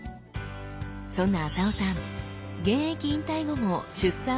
そんな浅尾さん